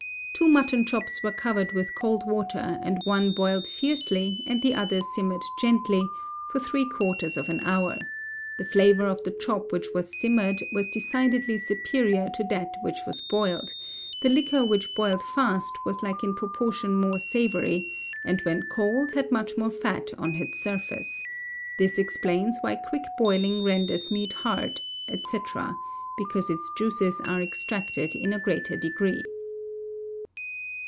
Two mutton chops were covered with cold water, and one boiled fiercely, and the other simmered gently, for three quarters of an hour; the flavour of the chop which was simmered was decidedly superior to that which was boiled; the liquor which boiled fast was in like proportion more savoury, and, when cold, had much more fat on its surface; this explains why quick boiling renders meat hard, &c. because its juices are extracted in a greater degree.